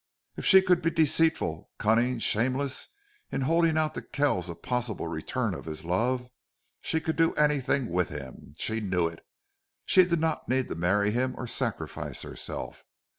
If she could be deceitful, cunning, shameless in holding out to Kells a possible return of his love, she could do anything with him. She knew it. She did not need to marry him or sacrifice herself.